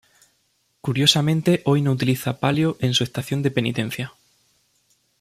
Curiosamente hoy no utiliza palio en su estación de penitencia.